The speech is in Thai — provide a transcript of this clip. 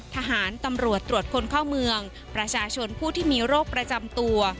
ทหารตำรวจตรวจคนเข้าเมืองประชาชนผู้ที่มีโรคประจำตัว